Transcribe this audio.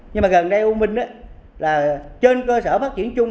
nhưng mà gần đây u minh là trên cơ sở phát triển chung